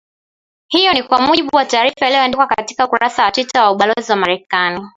hiyo ni kwa mujibu wa taarifa iliyoandikwa katika ukurasa wa Twitter wa ubalozi wa Marekani